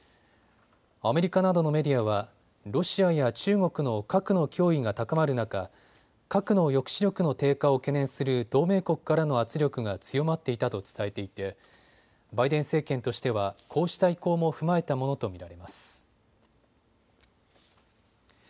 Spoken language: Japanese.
アメリカなどのメディアはロシアや中国の核の脅威が高まる中、核の抑止力の低下を懸念する同盟国からの圧力が強まっていたと伝えていてバイデン政権としてはこうした意向も踏まえたものと見られます。